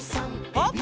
パッ！